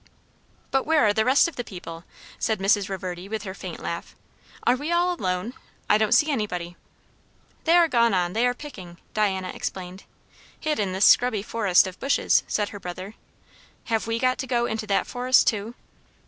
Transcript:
"But where are the rest of the people?" said Mrs. Reverdy with her faint laugh. "Are we alone? I don't see anybody." "They are gone on they are picking," Diana explained. "Hid in this scrubby forest of bushes," said her brother. "Have we got to go into that forest too?"